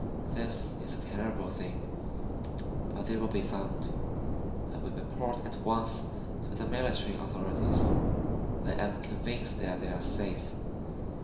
This is a terrible thing; but they will be found. I will report at once to the military authorities. I am convinced that they are safe.